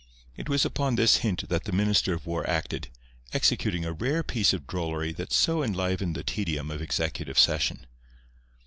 It was upon this hint that the Minister of War acted, executing a rare piece of drollery that so enlivened the tedium of executive session.